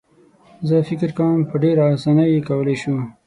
زه فکر کوم په ډېره اسانۍ یې کولای شو.